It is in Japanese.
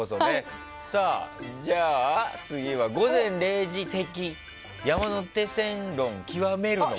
じゃあ次は「午前０時」的山手線論極めるの森。